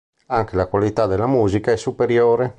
Anche la qualità della musica è superiore.